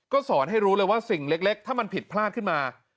ก็สอนให้รู้เลยว่าสิ่งเล็กถ้ามันผิดพลาดขึ้นมา